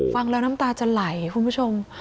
ฟังแล้วน้ำตาจะไหลคุณผู้ชม